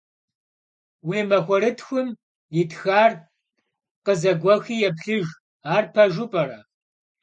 Vui maxuerıtxım yitxar khızeguexi yêplhıjj, ar pejju p'ere?